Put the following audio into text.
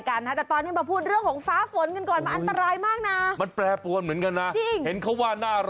คู่กัดสบัดข่าว